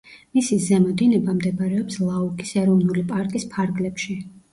მისი ზემო დინება მდებარეობს ლაუკის ეროვნული პარკის ფარგლებში.